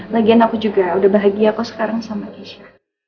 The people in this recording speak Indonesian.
lagian aku juga udah bahagia kok sekarang sama keisha